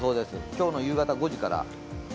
今日の夕方５時から。